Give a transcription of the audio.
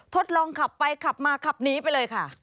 ทดลองขับไปขับมาขับหนีไปเลยค่ะ